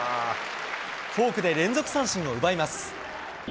フォークで連続三振を奪います。